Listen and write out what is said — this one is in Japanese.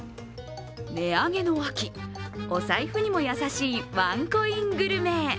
値上げの秋、お財布にも優しいワンコイングルメ。